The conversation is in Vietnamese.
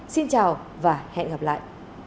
xin chào và hẹn gặp lại